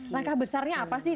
lengkah besarnya apa sih